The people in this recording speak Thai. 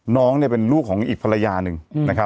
น้องเนี่ยเป็นลูกของอีกภรรยานึง